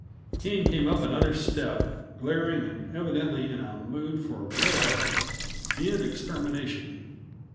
King came up another step, glaring and evidently in a mood for war and extermination.